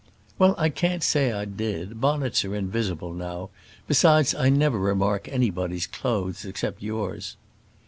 "Well I can't say I did; bonnets are invisible now; besides I never remark anybody's clothes, except yours."